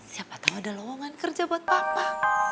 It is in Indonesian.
siapa tau ada loongan kerja buat papa